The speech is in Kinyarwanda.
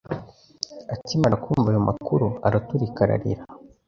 Akimara kumva ayo makuru araturika ararira